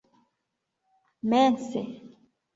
mense